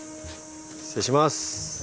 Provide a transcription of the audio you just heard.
失礼します。